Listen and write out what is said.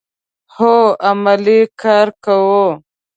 هو، عملی کار کوو